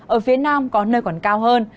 ở phía nam có nơi còn cao hơn